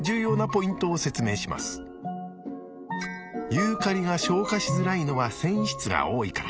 ユーカリが消化しづらいのは繊維質が多いから。